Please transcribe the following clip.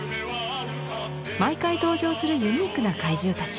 毎回登場するユニークな怪獣たち。